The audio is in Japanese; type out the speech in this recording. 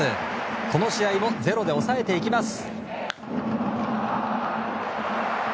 この試合もゼロで抑えていきます。